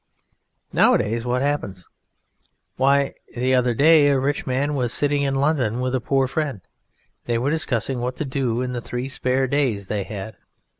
Nowadays what happens? Why, the other day, a rich man was sitting in London with a poor friend; they were discussing what to do in three spare days they had.